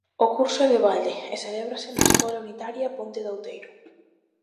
O curso é de balde e celébrase na Escola Unitaria Ponte de Outeiro.